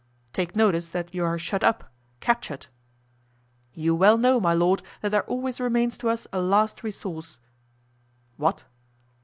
"Take notice that you are shut up—captured." "You well know, my lord, that there always remains to us a last resource." "What?"